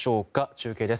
中継です。